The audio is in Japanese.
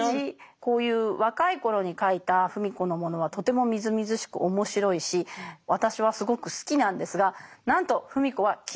こういう若い頃に書いた芙美子のものはとてもみずみずしく面白いし私はすごく好きなんですがなんと芙美子は気に入ってません。